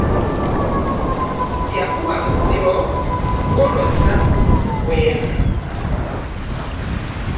Yakuba Busiro ku ggoolo ssatu ku emu